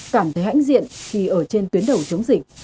cảm thấy hãnh diện khi ở trên tuyến đầu chống dịch